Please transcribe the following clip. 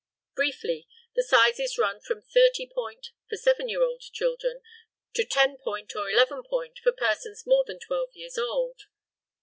Briefly, the sizes run from thirty point, for seven year old children, to ten point or eleven point, for persons more than twelve years old.